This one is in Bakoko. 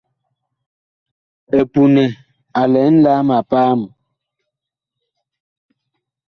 EPUNƐ a lɛ nlaam a paam.